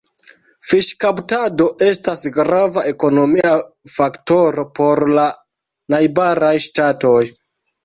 Fiŝkaptado estas grava ekonomia faktoro por la najbaraj ŝtatoj.